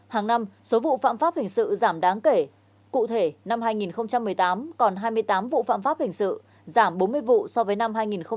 hàng năm số vụ phạm pháp hình sự giảm đáng kể cụ thể năm hai nghìn một mươi tám còn hai mươi tám vụ phạm pháp hình sự giảm bốn mươi vụ so với năm hai nghìn một mươi bảy